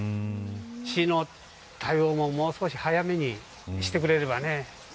市の対応も、もう少し早めにしてくれればね